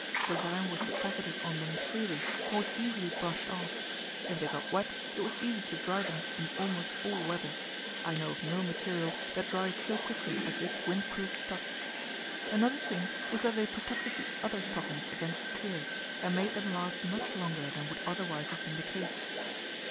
The rime was deposited on them freely, and was easily brushed off. If they got wet, it was easy to dry them in almost all weathers; I know of no material that dries so quickly as this windproof stuff. Another thing was that they protected the other stockings against tears, and made them last much longer than would otherwise have been the case.